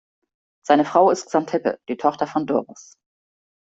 Seine Frau ist Xanthippe, die Tochter von Doros.